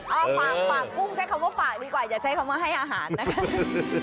เอาฝากกุ้งใช้คำว่าฝากดีกว่าอย่าใช้คำว่าให้อาหารนะคะ